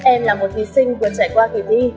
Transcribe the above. em là một thí sinh vừa trải qua kỳ thi